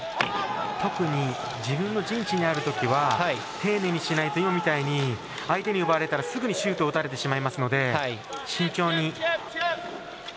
特に自分の陣地にあるときは丁寧にしないと今みたいに相手に奪われたらすぐシュートを打たれてしまいますので慎重に。